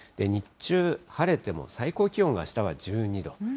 日中、晴れても、最高気温があしたは１２度。